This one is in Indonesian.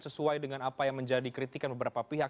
sesuai dengan apa yang menjadi kritikan beberapa pihak